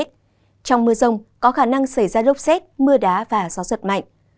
trong mưa rông có khả năng xảy ra lốc xét mưa đá và gió giật mạnh